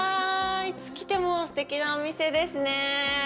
いつ来てもステキなお店ですね。